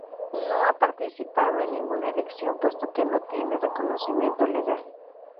No ha participado en ninguna elección puesto que no tiene reconocimiento legal.